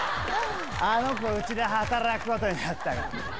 あの子うちで働くことになったからな。